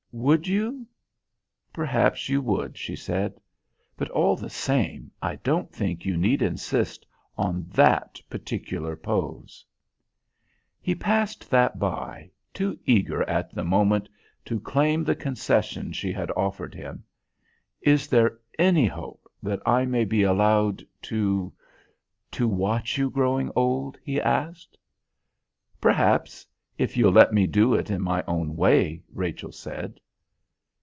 "Would you? Perhaps you would," she said. "But, all the same, I don't think you need insist on that particular pose." He passed that by, too eager at the moment to claim the concession she had offered him. "Is there any hope that I may be allowed to to watch you growing old?" he asked. "Perhaps if you'll let me do it in my own way," Rachel said.